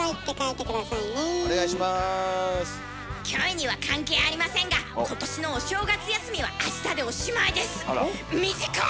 キョエには関係ありませんが今年のお正月休みはあしたでおしまいです。